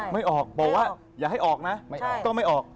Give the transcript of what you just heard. ไม่ออกบอกว่าอย่าให้ออกนะไม่ออกต้องไม่ออก